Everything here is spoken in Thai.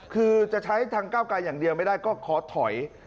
คือจะใช้ทางก้าวไกลอย่างเดียวไม่ได้ก็ขอถอย